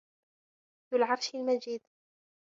ذُو العَرشِ المَجيدُ